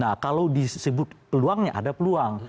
nah kalau disebut peluangnya ada peluang